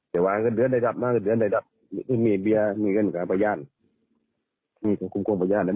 ถ้าเคยวิ่งได้ก็วิ่งกันเนี่ยถ้าว่าวิ่งกลมกลมประหย่าน